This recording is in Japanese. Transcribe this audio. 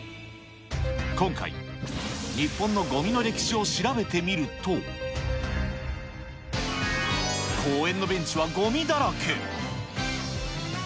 今回、日本のごみの歴史を調べてみると、公園のベンチはごみだらけ。